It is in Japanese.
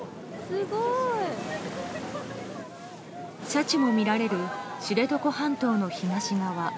シャチも見られる知床半島の東側